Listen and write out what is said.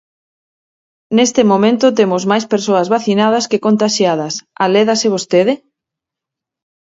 Neste momento temos máis persoas vacinadas que contaxiadas, alédase vostede?